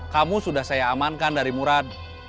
kamu sudah saya amankan dari murad